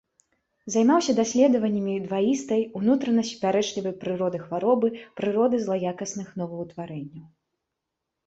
Займаўся даследаваннямі дваістай, унутрана супярэчлівай прыроды хваробы, прыроды злаякасных новаўтварэнняў.